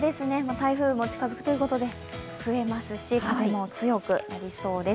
台風も近づくということで増えますし、風も強くなりそうです